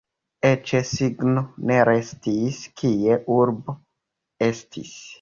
Eĉ signo ne restis, kie urbo estis.